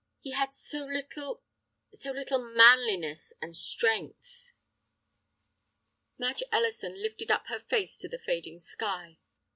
He had so little—so little manliness and strength." Madge Ellison lifted up her face to the fading sky.